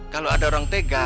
kalau ada orang tega